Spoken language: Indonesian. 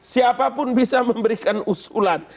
siapapun bisa memberikan usulan